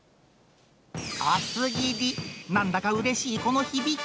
厚切り、なんだかうれしいこの響き。